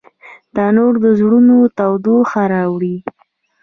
تنور د زړونو تودوخه راوړي